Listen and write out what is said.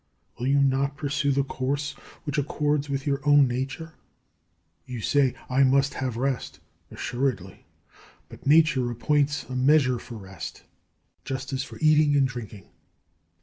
Will you not pursue the course which accords with your own nature? You say, "I must have rest." Assuredly; but nature appoints a measure for rest, just as for eating and drinking.